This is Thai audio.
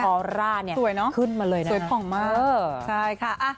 ออร่าเนี่ยขึ้นมาเลยนะสวยผ่องมาก